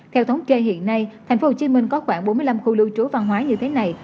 theo thống kê hiện nay tp hcm có khoảng bốn mươi năm khu lưu trú văn hóa như thế này